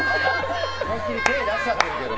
思い切り、手出しちゃってる。